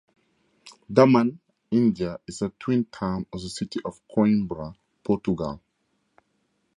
Daman, India is a twin town of the city of Coimbra, Portugal.